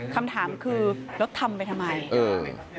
คำถามคือแล้วทำไปทำไมเออ